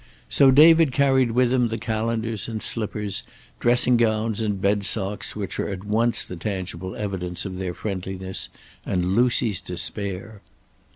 So David carried with him the calendars and slippers, dressing gowns and bed socks which were at once the tangible evidence of their friendliness and Lucy's despair.